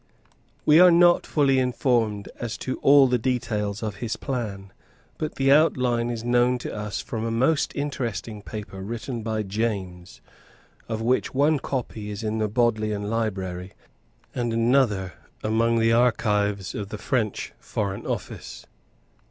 We are not fully informed as to all the details of his plan. But the outline is known to us from a most interesting paper written by James, of which one copy is in the Bodleian Library, and another among the archives of the French Foreign Office.